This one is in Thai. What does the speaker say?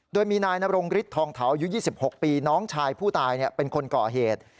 โดยมีนายนรงฤทธองเถาอายุ๒๖ปีน้องชายผู้ตายเป็นคนก่อเหตุ